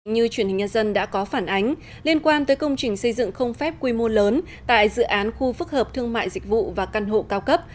như truyền hình nhân dân đã có phản ánh liên quan tới công trình xây dựng không phép quy mô lớn tại dự án khu phức hợp thương mại dịch vụ và căn hộ cao cấp